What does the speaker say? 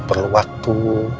mau perlu waktu